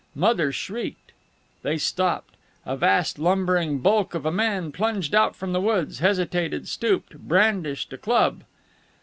Mother shrieked. They stopped. A vast, lumbering bulk of a man plunged out from the woods, hesitated, stooped, brandished a club.